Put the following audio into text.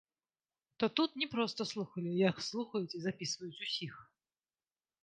То тут не проста слухалі, як слухаюць і запісваюць усіх.